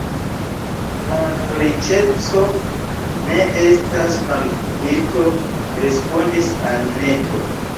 Malriĉeco ne estas malvirto, respondis Anneto.